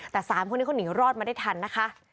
แต่๓คนนี้เขาหนีรอดมาได้ทันนะคะ